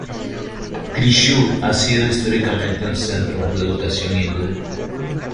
Thrissur ha sido históricamente un centro de educación hindú.